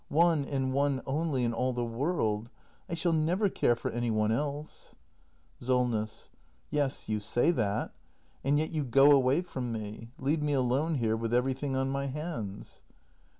One, and one only, in all the world! I shall never care for any one else. SOLNESS. Yes, you say that. And yet you go away from me — leave me alone here with everything on my hands.